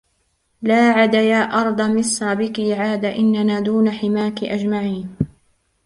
لا عَدَا يا أرضَ مِصْرٍ بِك عَاد إنَّنا دُونَ حِمَاكِ أجمعين